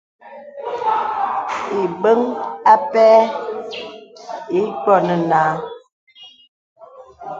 Ìbəŋ ǎ pɛ ibwə̄ nə nǎ.